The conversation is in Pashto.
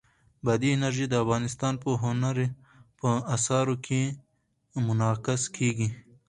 بادي انرژي د افغانستان په هنر په اثار کې منعکس کېږي.